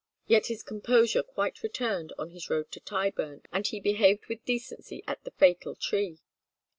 Yet his composure quite returned on his road to Tyburn, and he "behaved with decency at the fatal tree."